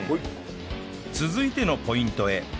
続いてのポイントへ